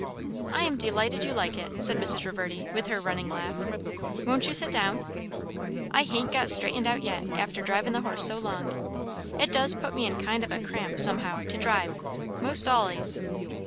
"I am delighted you like it," said Mrs. Reverdy with her running laugh. "Won't you sit down?" "I hain't got straightened out yet, after drivin' the horse so long. It does put me in a kind o' cramp, somehow, to drive, 'most allays."